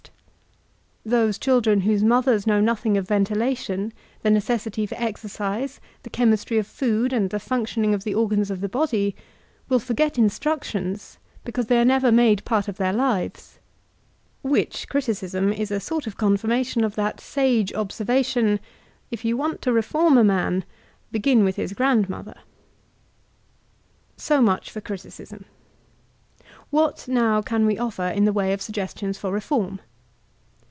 MooBEN Educational Reform 535 Those children whose mothers know nothing of ventila tion, the necessity for exercise, the chemistry of food» and the functioning of the organs of the body, will foiget instructions because they are never made part of their lives. (Which criticism is a sort of confirmation of that sage observation : "If you want to reform a man, begin with iiis grandmother.'') So much for critictsm. What, now, can we offer in the way of suggestions for reform?